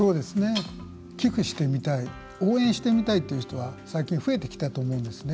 寄付してみたい応援してみたいという人は最近増えてきたと思うんですね。